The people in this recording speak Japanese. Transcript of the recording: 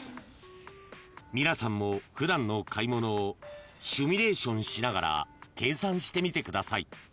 ［皆さんも普段の買い物をシミュレーションしながら計算してみてください］